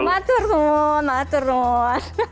mbak purnua mbak purnua